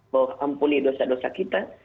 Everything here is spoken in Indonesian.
bahwa ampuni dosa dosa kita